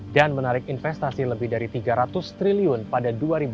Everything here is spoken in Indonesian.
dan menarik investasi lebih dari tiga ratus triliun pada dua ribu delapan puluh mendatang